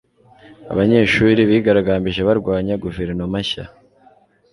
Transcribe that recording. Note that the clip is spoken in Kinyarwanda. abanyeshuri bigaragambije barwanya guverinoma nshya